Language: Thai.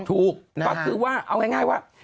ถูกก็คือว่าเอาง่ายว่า